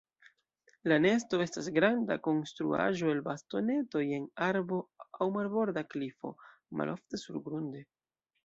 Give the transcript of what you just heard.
La nesto estas granda konstruaĵo el bastonetoj en arbo aŭ marborda klifo; malofte surgrunde.